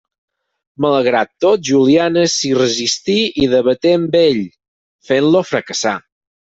Malgrat tot, Juliana s'hi resistí i debaté amb ell, fent-lo fracassar.